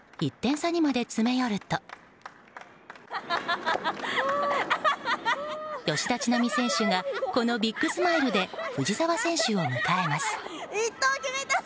１点差にまで詰め寄ると吉田知那美選手がこのビッグスマイルで藤澤選手を迎えます。